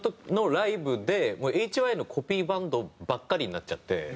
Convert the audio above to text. ＨＹのコピーバンドばっかりになっちゃって。